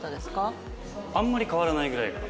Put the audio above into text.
あんまり変わらないぐらいの。